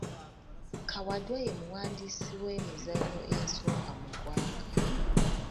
Kawadwa ye muwandiisi w’emizannyo eyasooka mu ggwanga.